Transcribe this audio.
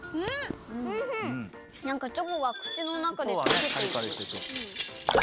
なんかチョコがくちのなかでとけていく。